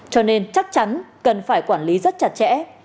cho nên chắc chắn cần phải quản lý rất chặt chẽ